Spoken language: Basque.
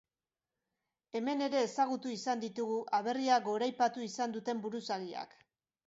Hemen ere ezagutu izan ditugu aberria goraipatu izan duten buruzagiak.